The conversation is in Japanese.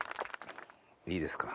いいですか？